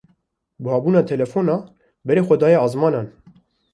Buhabûna telefonan berê xwe daye ezmanan.